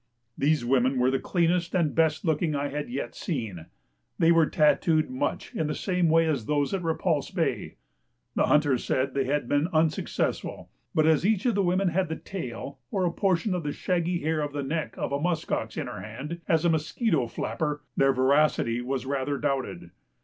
These women were the cleanest and best looking I had yet seen. They were tatooed much in the same way as those at Repulse Bay. The hunters said they had been unsuccessful, but as each of the women had the tail, or a portion of the shaggy hair of the neck, of a musk ox in her hand as a musquito flapper, their veracity was rather doubted.